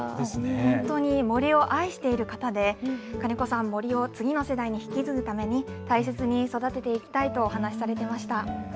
本当に森を愛している方で、金子さん、森を次の世代に引き継ぐために、大切に育てていきたいと話されていました。